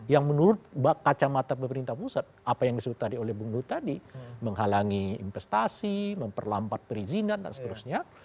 yang menurut kacamata pemerintah pusat apa yang disebut tadi oleh bung du tadi menghalangi investasi memperlampat perizinan dan seterusnya